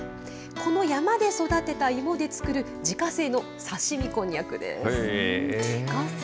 この山で育てた芋で作る自家製のさしみこんにゃくです。